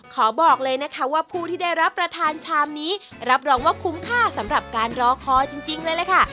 ขอบอกเลยนะคะว่าผู้ที่ได้รับประทานชามนี้รับรองว่าคุ้มค่าสำหรับการรอคอจริงเลยล่ะค่ะ